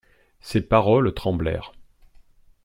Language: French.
Ces paroles tremblèrent.